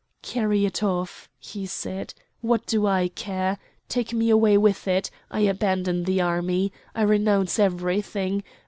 "Carry it off," he said, "what do I care? take me away with it! I abandon the army! I renounce everything!